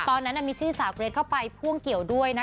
ตอนนั้นมีชื่อสาวเกรทเข้าไปพ่วงเกี่ยวด้วยนะคะ